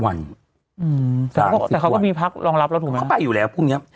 แต่เขาก็มีพักรองรับแล้วถูกไหมเขาไปอยู่แล้วพรุ่งนี้